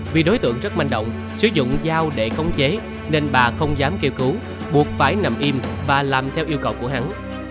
vì đối tượng rất manh động sử dụng dao để khống chế nên bà không dám kêu cứu buộc phải nằm im và làm theo yêu cầu của hắn